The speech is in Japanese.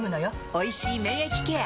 「おいしい免疫ケア」！